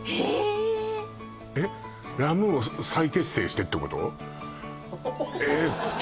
ラ・ムーを再結成してってこと？